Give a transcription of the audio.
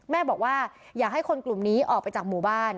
แม่บอกว่าอยากให้คนกลุ่มนี้ออกไปจากหมู่บ้าน